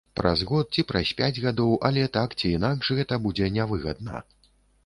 Праз год ці праз пяць гадоў, але так ці інакш гэта будзе нявыгадна.